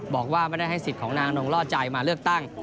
บอกว่าไม่ได้ให้สิทธิ์ของนางนงล่อใจมาเลือกตั้ง